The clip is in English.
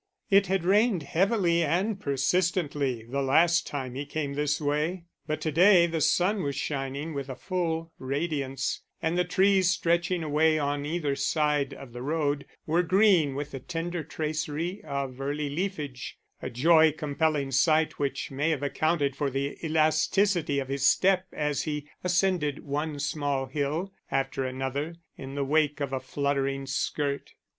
It had rained heavily and persistently the last time he came this way, but to day the sun was shining with a full radiance, and the trees stretching away on either side of the road were green with the tender tracery of early leafage; a joy compelling sight which may have accounted for the elasticity of his step as he ascended one small hill after another in the wake of a fluttering skirt.